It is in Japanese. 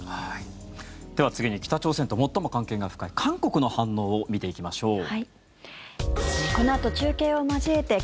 では、次に北朝鮮と最も関係が深い韓国の反応を見ていきましょう。